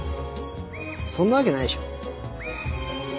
そんなわけないでしょ？